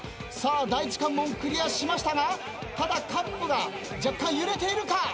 第一関門クリアしましたがただカップが若干揺れているか？